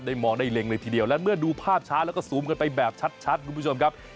มองได้เล็งเลยทีเดียวและเมื่อดูภาพช้าแล้วก็ซูมกันไปแบบชัดคุณผู้ชมครับ